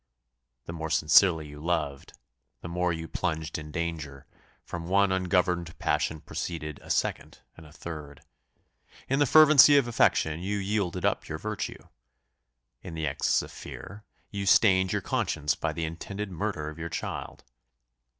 The more sincerely you loved, the more you plunged in danger: from one ungoverned passion proceeded a second and a third. In the fervency of affection you yielded up your virtue! In the excess of fear, you stained your conscience by the intended murder of your child!